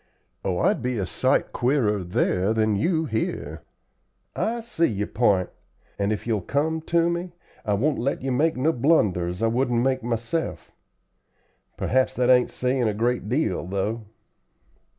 "Oh, I'd be a sight queerer there than you here. I see your p'int, and if you'll come to me I won't let you make no blunders I wouldn't make myself. Perhaps that ain't saying a great deal, though."